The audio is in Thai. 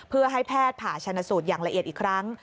เพื่อให้แพทย์ผ่าชนสูตรอย่างละเอียดอีกครั้ง